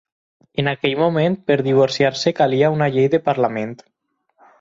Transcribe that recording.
En aquell moment, per divorciar-se calia una llei del Parlament.